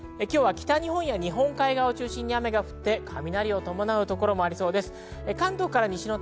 北日本や日本海側を中心に雨が降り、雷を伴うところがありそうです。